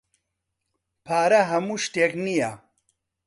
پارە ھەموو شتێک نییە.